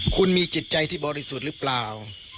คุณมีจิตใจที่บริสุทธิ์หรือเปล่า